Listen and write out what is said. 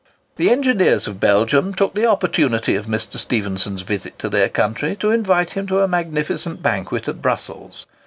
The engineers of Belgium took the opportunity of Mr. Stephenson's visit to their country to invite him to a magnificent banquet at Brussels.